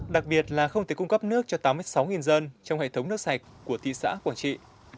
đặc biệt là không thể cung cấp nước cho tám mươi sáu dân trong hệ thống nước sạch của thị xã quảng trị